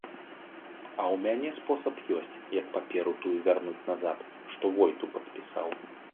А ў мяне спосаб ёсць, як паперу тую вярнуць назад, што войту падпісаў.